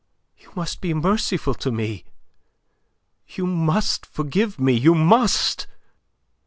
You must be merciful to me. You must forgive me. You must!